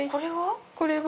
これは？